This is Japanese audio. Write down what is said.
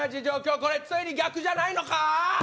これついに逆じゃないのか！？